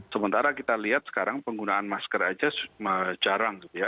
sementara kita lihat sekarang penggunaan masker aja jarang